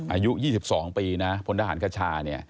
อายุ๒๒ปีนะพลทหารคชา